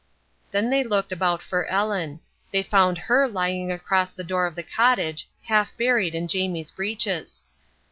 Then they looked about for Ellen. They found her lying across the door of the cottage half buried in Jamie's breeches.